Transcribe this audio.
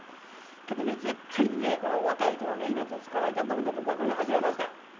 けどね、絶対ね、若い人の命を救わないかんと思って、僕はこれを始めました。